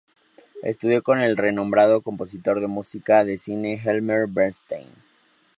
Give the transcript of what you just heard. Estudió con el renombrado compositor de música de cine Elmer Bernstein.